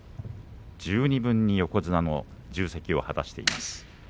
十二分に横綱の重責を果たしています。